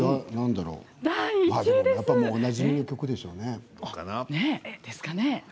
おなじみの曲でしょうね。